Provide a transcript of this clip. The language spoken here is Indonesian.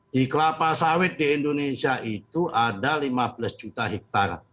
di kelapa sawit di indonesia itu ada lima belas juta hektare